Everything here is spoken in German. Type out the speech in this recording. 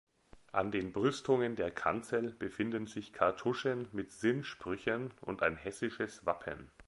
An den Brüstungen der Kanzel befinden sich Kartuschen mit Sinnsprüchen und ein hessisches Wappen.